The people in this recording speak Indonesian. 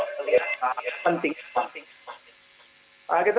tidak ada orang khusus bapak ibu om tante gitu ya